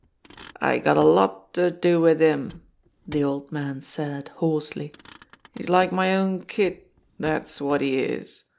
"I got a lot to do wid him," the old man said hoarsely. "He's like my own kid, dat's wot he is.